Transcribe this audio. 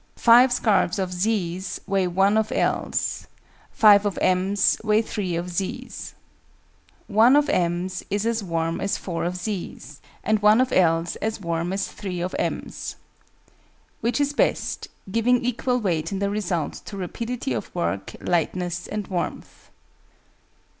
Five scarves of Z's weigh one of L's; 5 of M's weigh 3 of Z's. One of M's is as warm as 4 of Z's: and one of L's as warm as 3 of M's. Which is best, giving equal weight in the result to rapidity of work, lightness, and warmth?